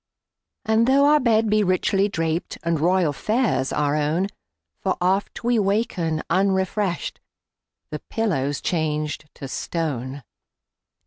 And tho our bed be richly drapedAnd royal fares our own, For oft we waken unrefreshed—The pillow's changed to stone!